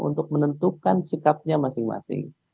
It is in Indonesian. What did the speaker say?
untuk menentukan sikapnya masing masing